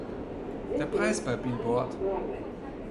Der Preis bei Billboard